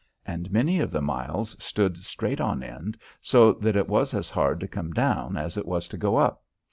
And many of the miles stood straight on end so that it was as hard to come down as it was to go up.